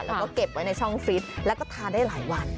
แล้วก็เก็บไว้ในช่องฟิตแล้วก็ทานได้หลายวัน